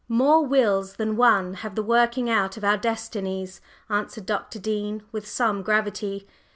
"More wills than one have the working out of our destinies," answered Dr. Dean with some gravity.